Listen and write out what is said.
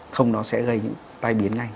không nó sẽ gây những tai biến ngay